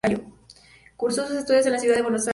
Cursó sus estudios en la ciudad de Buenos Aires.